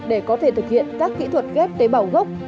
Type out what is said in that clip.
để có thể thực hiện các kỹ thuật ghép tế bào gốc